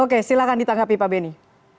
oke silahkan ditanggapi pak benny